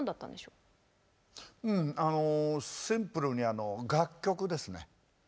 うんあのシンプルにあの楽曲ですね。